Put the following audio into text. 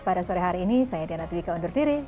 pada sore hari ini saya diana twika undur diri